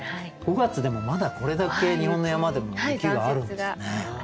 ５月でもまだこれだけ日本の山でも雪があるんですね。